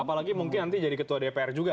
apalagi mungkin nanti jadi ketua dpr juga